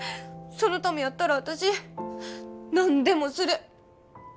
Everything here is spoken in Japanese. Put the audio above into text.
そのためやったら私何でもする。